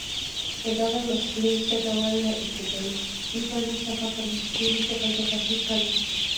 دغې وسیلې څه ډول له ابتدايي بڼې څخه پرمختللي شکل ته تغییر کړی؟